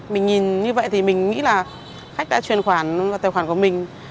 mình nhìn như vậy thì mình nghĩ là khách đã chuyển khoản vào tài khoản của mình